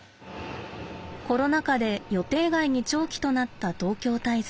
コロナ禍で予定外に長期となった東京滞在。